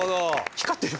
光ってる。